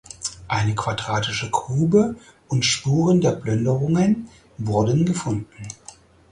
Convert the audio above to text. Eine quadratische Grube und Spuren der Plünderungen wurden gefunden.